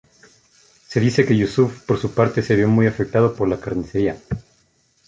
Se dice que Yusuf por su parte se vio muy afectado por la carnicería.